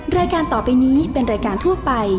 แม่บ้านประจำบาน